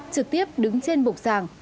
trực tiếp đứng trên bục giảng